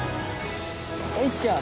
おいしょ。